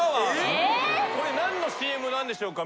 これ何のＣＭなんでしょうか？